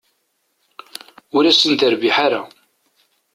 Ur asen-terbiḥ ara.